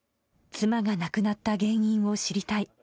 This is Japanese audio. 妻が亡くなった原因を知りたい。